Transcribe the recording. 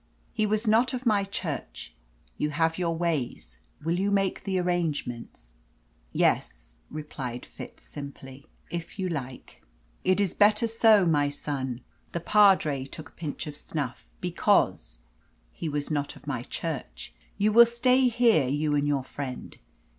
"He was not of my Church. You have your ways; will you make the arrangements?" "Yes," replied Fitz simply, "if you like." "It is better so, my son" the padre took a pinch of snuff "because he was not of my Church. You will stay here, you and your friend.